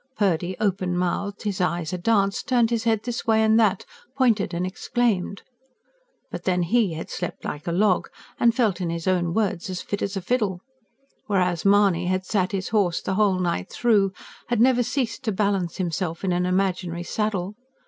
Purdy, open mouthed, his eyes a dance, turned his head this way and that, pointed and exclaimed. But then HE had slept like a log, and felt in his own words "as fit as a fiddle." Whereas Mahony had sat his horse the whole night through, had never ceased to balance himself in an imaginary saddle.